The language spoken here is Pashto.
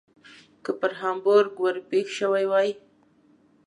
که پر هامبورګ ور پیښ شوي وای.